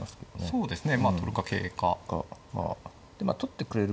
そうですね。